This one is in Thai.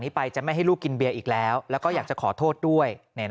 ไปจะไม่ให้ลูกกินเบียร์อีกแล้วแล้วก็อยากจะขอโทษด้วย